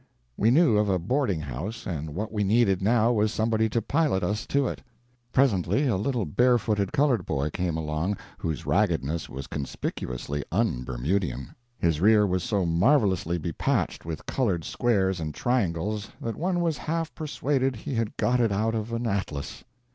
We knew of a boarding house, and what we needed now was somebody to pilot us to it. Presently a little barefooted colored boy came along, whose raggedness was conspicuously not un Bermudian. His rear was so marvelously bepatched with colored squares and triangles that one was half persuaded he had got it out of an atlas.